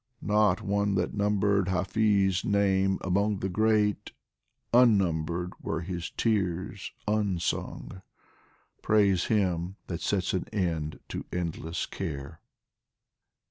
Not one that numbered Hafiz' name among The great unnumbered were his tears, unsung ; Praise him that sets an end to endless care